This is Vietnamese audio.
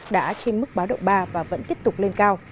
đã trên mức ba độ ba và vẫn tiếp tục lên cao